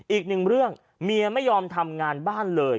อีกหนึ่งเรื่องเมียไม่ยอมทำงานบ้านเลย